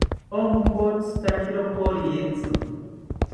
Onkotzitakiro koritzi